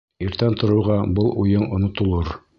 Иртән тороуға был уйың онотолор.